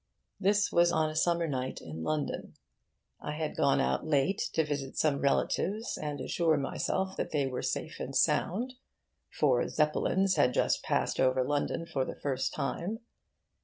This was on a summer night in London. I had gone out late to visit some relatives and assure myself that they were safe and sound; for Zeppelins had just passed over London for the first time.